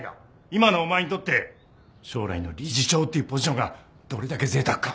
今のお前にとって将来の理事長っていうポジションがどれだけぜいたくか。